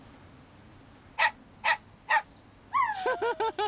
フフフフ！